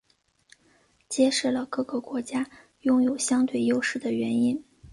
揭示了每个国家拥有相对优势的原因。